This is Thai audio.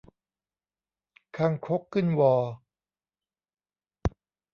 คางคกขึ้นวอ